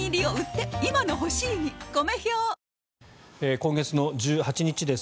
今月１８日です。